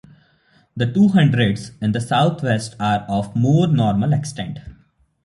The two hundreds in the south-west are of more normal extent.